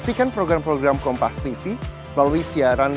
saya gak paham juga pak